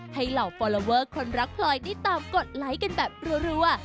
เหล่าฟอลลอเวอร์คนรักพลอยได้ตามกดไลค์กันแบบรัว